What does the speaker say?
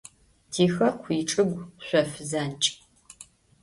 Тихэку ичӏыгу – шъоф занкӏ.